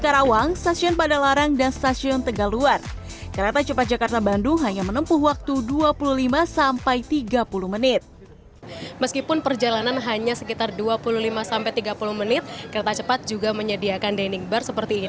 rencaranya kereta cepat jakarta bandung akan mulai beroperasi oktober dua ribu dua puluh satu